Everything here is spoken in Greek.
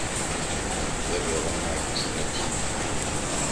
Δεν μπορώ να επιστρέψω.